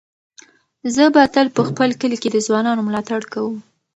زه به تل په خپل کلي کې د ځوانانو ملاتړ کوم.